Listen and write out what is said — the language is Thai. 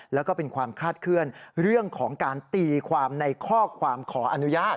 แล้วก็เป็นความคาดเคลื่อนเรื่องของการตีความในข้อความขออนุญาต